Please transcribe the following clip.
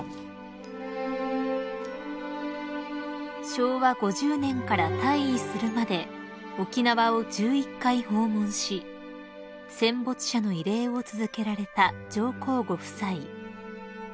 ［昭和５０年から退位するまで沖縄を１１回訪問し戦没者の慰霊を続けられた上皇ご夫妻］